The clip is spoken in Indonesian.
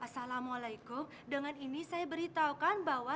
assalamualaikum dengan ini saya beritahukan bahwa